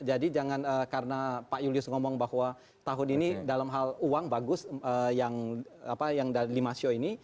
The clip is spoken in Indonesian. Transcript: jadi jangan karena pak julius ngomong bahwa tahun ini dalam hal uang bagus yang lima ceo ini